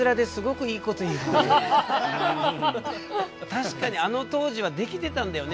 確かにあの当時はできてたんだよね